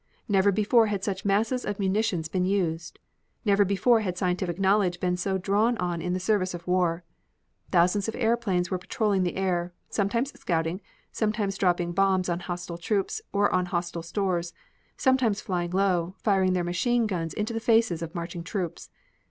Never before had such masses of munitions been used; never before had scientific knowledge been so drawn on in the service of war. Thousands of airplanes were patrolling the air, sometimes scouting, sometimes dropping bombs on hostile troops or on hostile stores, sometimes flying low, firing their machine guns into the faces of marching troops.